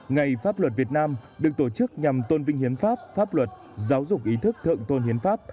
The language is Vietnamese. ngày pháp luật việt nam được tổ chức nhằm tôn vinh hiến pháp pháp luật giáo dục ý thức thượng tôn hiến pháp